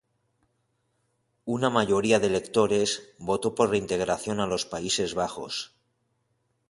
Una mayoría de electores votó por la integración a los Países Bajos.